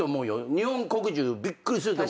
日本国中びっくりすると思う。